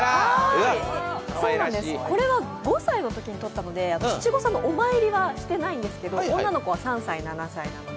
これは５歳のときに撮ったので七五三のお参りはしてないんですけど、女の子は３歳、７歳なので。